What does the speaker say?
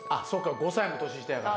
５歳も年下やから。